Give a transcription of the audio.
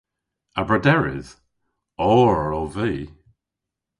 A brederydh? Oor ov vy!